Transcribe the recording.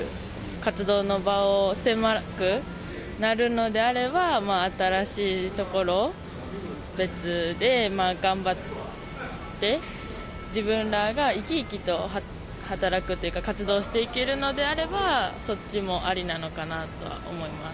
活動の場を狭くなるのであれば、新しいところ、別で頑張って、自分らが生き生きと働くというか、活動していけるのであれば、そっちもありなのかなとは思います。